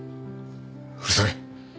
うるさい。